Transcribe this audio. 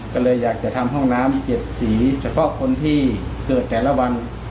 ก็อยากจะทำห้องน้ำ๗สี่าวคนที่เจอแต่ละวัน